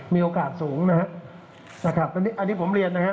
มีโอกาสสูงนะฮะนะครับอันนี้อันนี้ผมเรียนนะฮะ